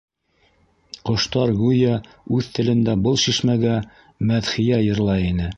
Ҡоштар гүйә үҙ телендә был шишмәгә мәҙхиә йырлай ине...